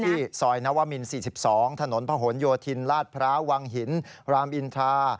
ซอยนวมิน๔๒ถนนพะหนโยธินลาดพร้าววังหินรามอินทรา